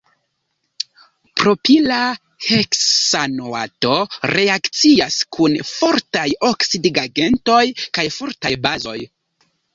Propila heksanoato reakcias kun fortaj oksidigagentoj kaj fortaj bazoj.